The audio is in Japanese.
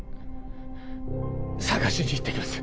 捜しに行ってきます